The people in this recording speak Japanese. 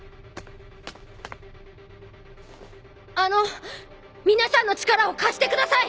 あの皆さんの力を貸してください！